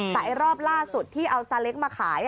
แต่รอบล่าสุดที่เอาซาเล้งมาขาย